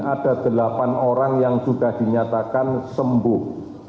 ada delapan orang yang sudah dinyatakan sembuh